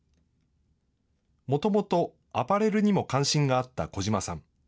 もともとアパレルにも関心があった児嶋さん。